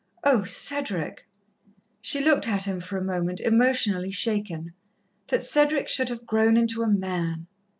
"Oh, Cedric!" She looked at him for a moment, emotionally shaken. That Cedric should have grown into a man!